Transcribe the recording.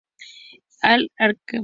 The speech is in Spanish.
El Arq.